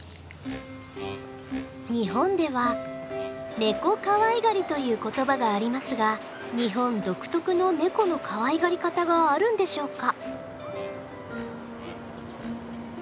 日本では猫かわいがりという言葉がありますが日本独特のネコのかわいがり方があるんでしょうか？